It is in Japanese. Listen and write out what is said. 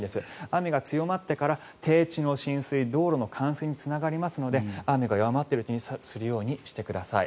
雨が強まってから、低地の浸水道路の冠水につながりますので雨が弱まっているうちにするようにしてください。